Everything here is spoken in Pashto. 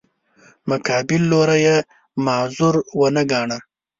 مقابل لوری یې معذور ونه ګاڼه.